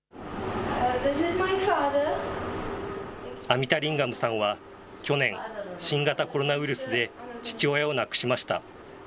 アミタリンガムさんは、去年、新型コロナウイルスで父親を亡くしました。